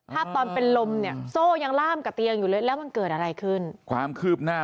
ตอนเป็นลมเนี่ยโซ่ยังล่ามกับเตียงอยู่เลยแล้วมันเกิดอะไรขึ้นความคืบหน้า